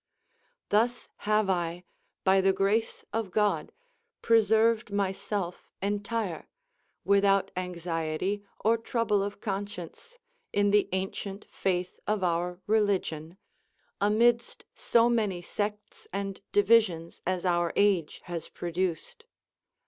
Thus have I, by the grace of God, preserved myself entire, without anxiety or trouble of conscience, in the ancient faith of our religion, amidst so many sects and divisions as our age has produced.